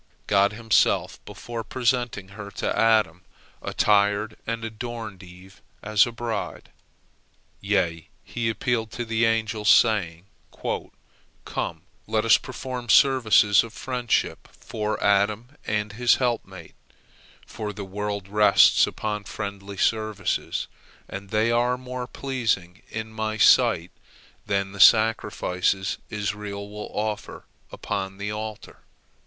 God Himself, before presenting her to Adam, attired and adorned Eve as a bride. Yea, He appealed to the angels, saying: "Come, let us perform services of friendship for Adam and his helpmate, for the world rests upon friendly services, and they are more pleasing in My sight than the sacrifices Israel will offer upon the altar."